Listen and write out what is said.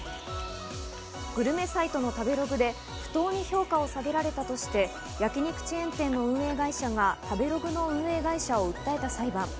グルメサイトの食べログで不当に評価を下げられたとして、焼き肉チェーン店の運営会社が食べログの運営会社を訴えた裁判。